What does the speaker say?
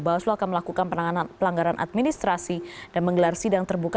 bawaslu akan melakukan penanganan pelanggaran administrasi dan menggelar sidang terbuka